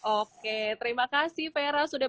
oke terima kasih vera sudah